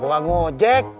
gue gak mau jak